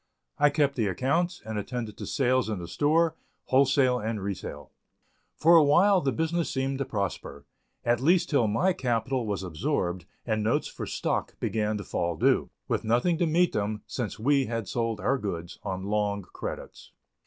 I kept the accounts, and attended to sales in the store, wholesale and retail. For a while the business seemed to prosper at least till my capital was absorbed and notes for stock began to fall due, with nothing to meet them, since we had sold our goods on long credits.